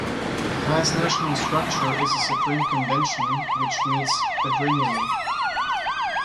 The highest national structure is the Supreme Convention, which meets quadrennially.